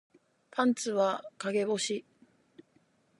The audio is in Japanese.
パンツは陰干し